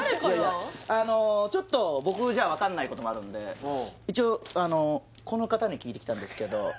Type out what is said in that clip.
ちょっと僕じゃ分かんないこともあるんで一応この方に聞いてきたんですけど誰？